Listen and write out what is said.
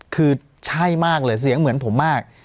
คือใช่มากเลยเสียงเหมือนผมมาก